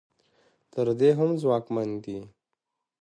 تر دې هم ځواکمن دي.